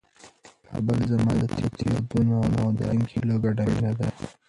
کابل زما د تېرو یادونو او د راتلونکي هیلو ګډه مېنه ده.